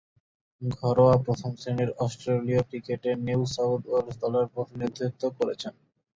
ঘরোয়া প্রথম-শ্রেণীর অস্ট্রেলীয় ক্রিকেটে নিউ সাউথ ওয়েলস দলের প্রতিনিধিত্ব করেছেন।